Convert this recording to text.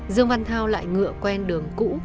dương văn thao lại ngựa quen đường cũ